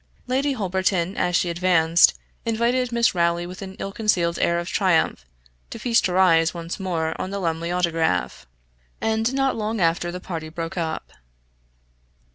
Lady Holberton, as she advanced, invited Miss Rowley, with an ill concealed air of triumph, to feast her eyes once more on the Lumley autograph, and not long after the party broke up.